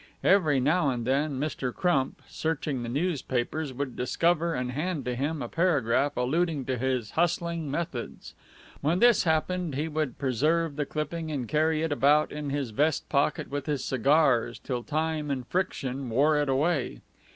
Every now and then Mr. Crump, searching the newspapers, would discover and hand to him a paragraph alluding to his "hustling methods." When this happened, he would preserve the clipping and carry it about in his vest pocket with his cigars till time and friction wore it away.